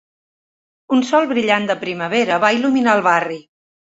Un sol brillant de primavera va il·luminar el barri.